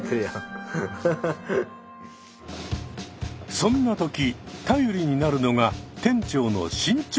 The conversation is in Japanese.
そんな時頼りになるのが店長の進捗チェック。